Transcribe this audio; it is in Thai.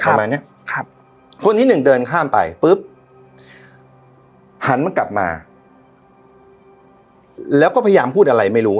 ประมาณเนี้ยครับคนที่หนึ่งเดินข้ามไปปุ๊บหันมากลับมาแล้วก็พยายามพูดอะไรไม่รู้